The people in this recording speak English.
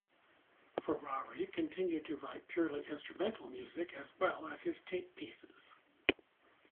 Ferrari continued to write purely instrumental music as well as his tape pieces.